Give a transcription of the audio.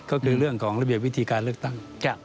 ก็คือเรื่องของระเบียบวิธีการเลือกตั้ง